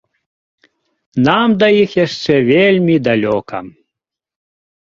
Нам да іх яшчэ вельмі далёка!